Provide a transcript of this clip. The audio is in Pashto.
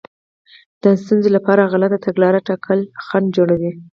د ستونزې لپاره غلطه تګلاره ټاکل خنډ جوړوي.